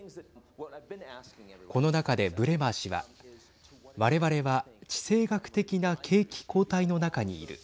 この中でブレマー氏は我々は地政学的な景気後退の中にいる。